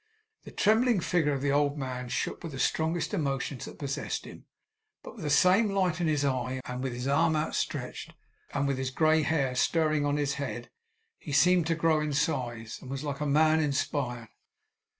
The trembling figure of the old man shook with the strong emotions that possessed him. But, with the same light in his eye, and with his arm outstretched, and with his grey hair stirring on his head, he seemed to grow in size, and was like a man inspired.